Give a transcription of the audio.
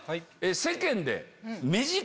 世間で。